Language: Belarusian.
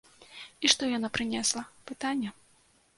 І што яна прынесла, пытанне.